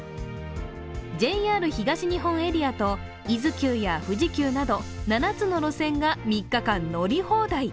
ＪＲ東日本エリアと伊豆急や富士急など７つの路線が３日間乗り放題。